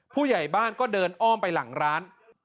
ผู้ใหญ่บ้านก็เดินอ้อมไปหลังร้าน